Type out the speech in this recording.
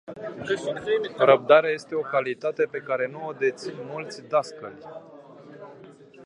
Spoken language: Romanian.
Răbdarea este o calitate pe care nu o dețin mulți dascăli.